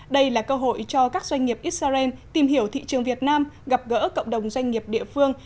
đây là cơ hội cho các doanh nghiệp israel tìm hiểu thị trường việt nam gặp gỡ cộng đồng doanh nghiệp địa phương